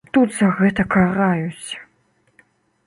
А тут за гэта караюць!